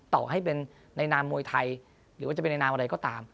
ต่อให้เป็นในนามมวยไทยหรือว่าจะเป็นในนามอะไรก็ตาม